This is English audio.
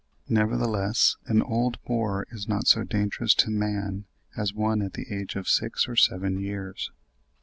Nevertheless, an old boar is not so dangerous to man as one at the age of six or seven years.